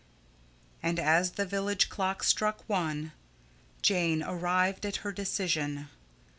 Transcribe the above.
And, as the village clock struck one, Jane arrived at her decision.